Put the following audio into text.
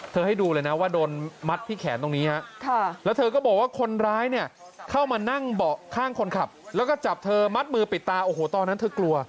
ให้ดูเลยนะว่าโดนมัดที่แขนตรงนี้ฮะแล้วเธอก็บอกว่าคนร้ายเนี่ยเข้ามานั่งเบาะข้างคนขับแล้วก็จับเธอมัดมือปิดตาโอ้โหตอนนั้นเธอกลัว